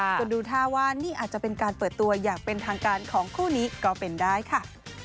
ดูท่าว่านี่อาจจะเป็นการเปิดตัวอย่างเป็นทางการของคู่นี้ก็เป็นได้ค่ะ